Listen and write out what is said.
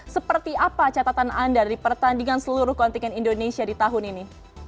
seperti apa catatan anda dari pertandingan seluruh kontingen indonesia di tahun ini